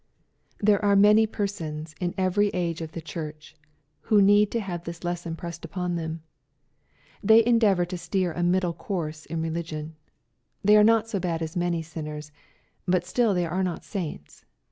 '' There are many persons in every age of the Church, who need to have this lesson pressed upon them. They endeavor to steer a middle course in religion. They are not so bad as many sinners, but still they are not saints.